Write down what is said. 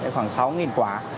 khoảng sáu quả